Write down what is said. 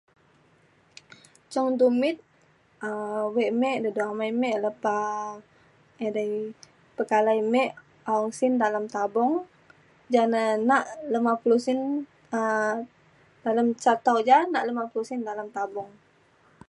Cung dumit um we' mik dedo amik mik lepa edai pekalai mik aung sin dalam tabung jane nak lema pulok sin um dalem ca tau ja nak lema pulok sin dalem tabung.